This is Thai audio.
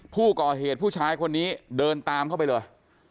ผู้ก่อเหตุผู้ชายคนนี้เดินตามเข้าไปเลย